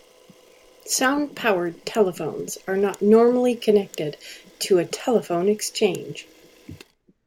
Sound-powered telephones are not normally connected to a telephone exchange.